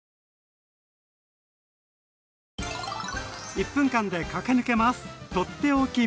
１分間で駆け抜けます！